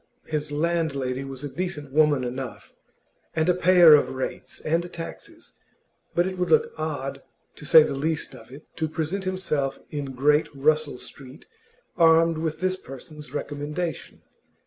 His landlady was a decent woman enough, and a payer of rates and taxes, but it would look odd, to say the least of it, to present oneself in Great Russell Street armed with this person's recommendation.